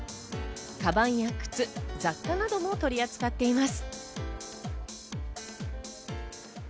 かばんや靴、雑貨なども取り扱っています。